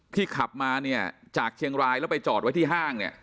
ขับมาเนี่ยจากเชียงรายแล้วไปจอดไว้ที่ห้างเนี่ย